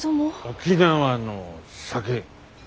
沖縄の酒。